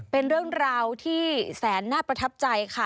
เป็นเรื่องราวที่แสนน่าประทับใจค่ะ